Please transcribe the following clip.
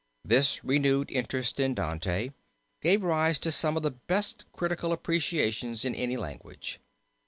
This renewed interest in Dante gave rise to some of the best critical appreciations in any language.